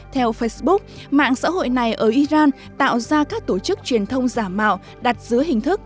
theo facebook mạng xã hội này ở iran tạo ra các tổ chức truyền thông giả mạo đặt dưới hình thức